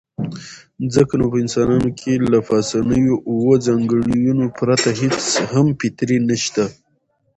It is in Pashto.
ځکه نو په انسانانو کې له پاسنيو اووو ځانګړنو پرته هېڅ هم فطري نشته.